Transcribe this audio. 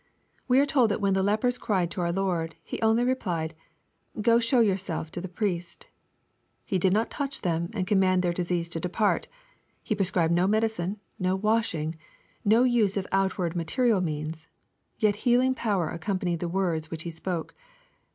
We ate told that when the lepers cried to our Lord, He only replied, " Go show yourselves to the priests/' He did not touch them and command their disease to depart. He prescribed no medicine, no washing, no use of outward material means Yet healing power accompanied the words which He spoke.